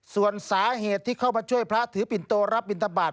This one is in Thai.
ส่วนสาเหตุที่เข้ามาช่วยพระถือปิ่นโตรับบินทบาท